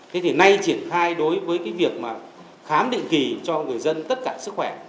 thế thì nay triển khai đối với cái việc mà khám định kỳ cho người dân tất cả sức khỏe